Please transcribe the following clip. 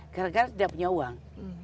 gara gara tidak punya uang